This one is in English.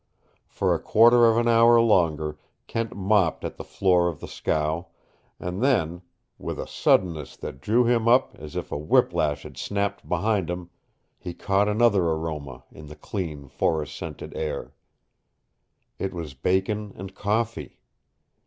For a quarter of an hour longer Kent mopped at the floor of the scow, and then with a suddenness that drew him up as if a whip lash had snapped behind him he caught another aroma in the clean, forest scented air. It was bacon and coffee!